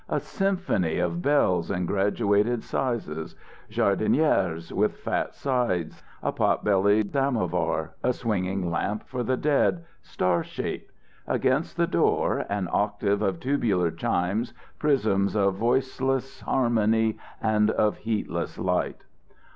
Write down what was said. A symphony of bells in graduated sizes. Jardinières with fat sides. A pot bellied samovar. A swinging lamp for the dead, star shaped. Against the door, an octave of tubular chimes, prisms of voiceless harmony and of heatless light.